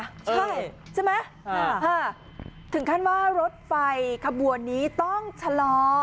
ใช่ใช่ไหมถึงขั้นว่ารถไฟขบวนนี้ต้องชะลอ